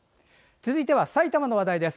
続いては埼玉の話題です。